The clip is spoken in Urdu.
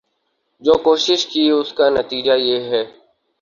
جو کوشش کی اس کا نتیجہ یہ ہے ۔